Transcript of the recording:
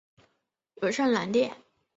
现为著名的一处游览胜地。